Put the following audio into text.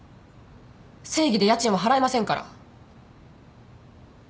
正義で家賃は払えませんから。